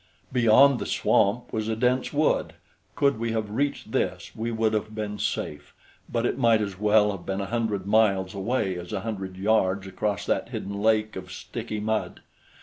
Beyond the swamp was a dense wood. Could we have reached this, we would have been safe; but it might as well have been a hundred miles away as a hundred yards across that hidden lake of sticky mud.